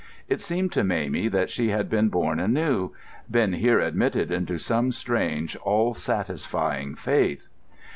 It seemed to Mamie that she had been born anew, been here admitted into some strange, all satisfying faith.